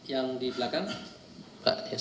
yang di belakang